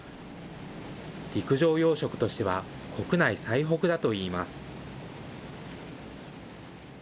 陸上養殖としては国内最北だといいます。